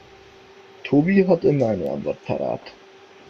Tobi hat immer eine Antwort parat.